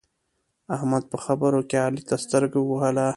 احمد په خبرو کې علي ته سترګه ووهله.